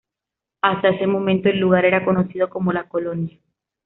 Hasta ese momento el lugar era conocido como "La Colonia".